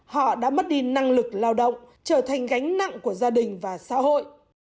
họ đã mất đi năng lực lao động trở thành gánh nặng của gia đình và xã hội